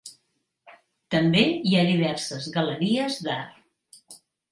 També hi ha diverses galeries d'art.